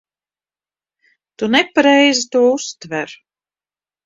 Tu nepareizi to uztver.